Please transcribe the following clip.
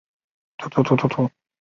咸丰元年署国子监司业。